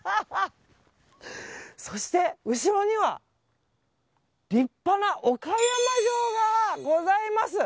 そして、後ろには立派な岡山城がございます。